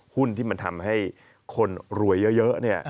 หุ้นที่ทำให้คนรวยเยอะ